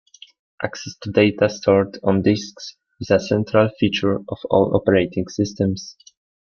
Access to data stored on disks is a central feature of all operating systems.